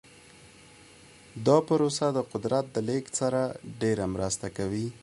دا پروسه د قدرت د لیږد سره ډیره مرسته کوي.